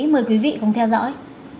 mời quý vị cùng theo dõi